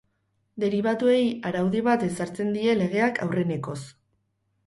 Deribatuei araudi bat ezartzen die legeak aurrenekoz.